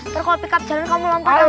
ntar kalau pickup jalan kamu lompat langsung